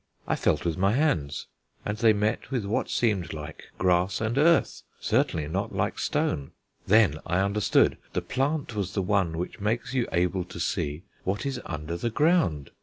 I felt with my hands, and they met with what seemed like grass and earth, certainly not like stone. Then I understood. The plant was the one which makes you able to see what is under the ground!